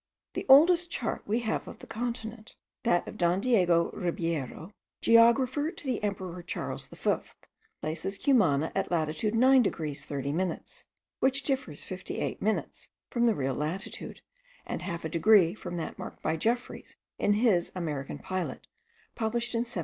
The oldest chart we have of the continent, that of Don Diego Ribeiro, geographer to the emperor Charles the Fifth, places Cumana in latitude 9 degrees 30 minutes; which differs fifty eight minutes from the real latitude, and half a degree from that marked by Jefferies in his American Pilot, published in 1794.